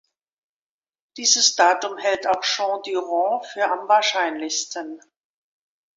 Dieses Datum hält auch Jean Duron für am Wahrscheinlichsten.